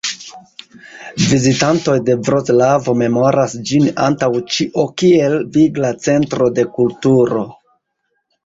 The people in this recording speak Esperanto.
Vizitantoj de Vroclavo memoras ĝin antaŭ ĉio kiel vigla centro de kulturo.